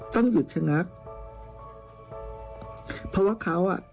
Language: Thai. ต้องหยุดชะงักเพราะว่าเขาอ่ะ